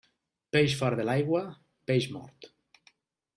Peix fora de l'aigua, peix mort.